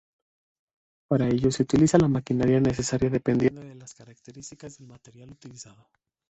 Para ello se utilizará la maquinaria necesaria dependiendo de las características del material utilizado.